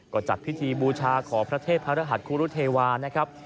ก็จัดพิธีบูชาขอพระเทพรหัสครูรุเทวานะครับ